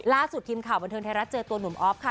ล่าสุดทีมข่าวบันเทิงไทยรัฐเจอตัวหนุ่มอ๊อฟค่ะ